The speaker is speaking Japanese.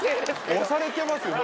押されてますよね？